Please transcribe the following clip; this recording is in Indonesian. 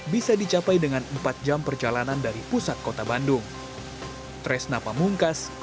bisa dicapai dengan empat jam perjalanan dari pusat kota bandung